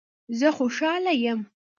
زه خوشحاله یم